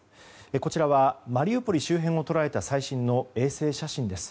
こちらはマリウポリ周辺を捉えた最新の衛星写真です。